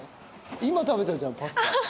今食べたじゃんパスタ。